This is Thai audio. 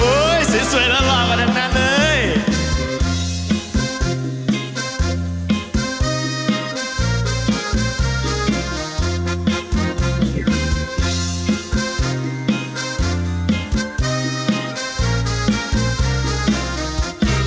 เฮ้ยเสียสวยแล้วหล่ากว่าดังนั้นเลย